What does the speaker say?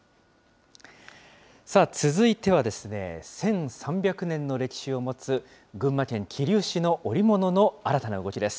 続いては、１３００年の歴史を持つ群馬県桐生市の織物の新たな動きです。